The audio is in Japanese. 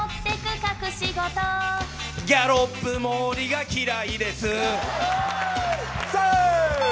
ギャロップ毛利が嫌いです。